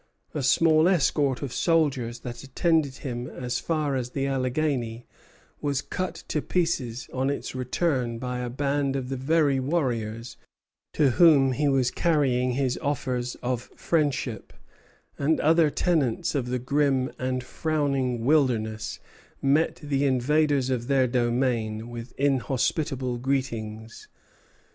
A small escort of soldiers that attended him as far as the Alleghany was cut to pieces on its return by a band of the very warriors to whom he was carrying his offers of friendship; and other tenants of the grim and frowning wilderness met the invaders of their domain with inhospitable greetings.